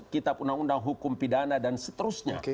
kitab undang undang hukum pidana dan seterusnya